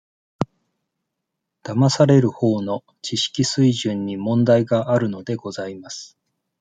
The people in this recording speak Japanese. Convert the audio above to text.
だまされるほうの、知識水準に問題があるのでございます。